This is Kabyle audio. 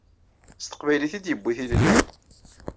S teqbaylit i d-yewwi tilelli.